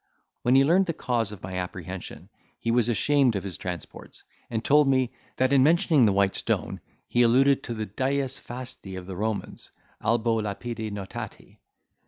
When he learned the cause of my apprehension, he was ashamed of his transports, and told me, that in mentioning the white stone, he alluded to the Dies fasti of the Romans, albo lapide notati.